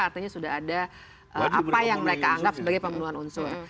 artinya sudah ada apa yang mereka anggap sebagai pemenuhan unsur